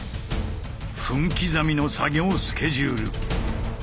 分刻みの作業スケジュール。